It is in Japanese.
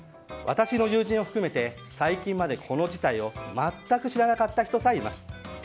私の友人を含めて最近までこの事態を全く知らなかった人さえいます。